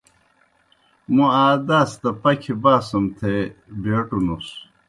موْ آ داس دہ پكھىْ باسُم تھے بیٹوْنُس۔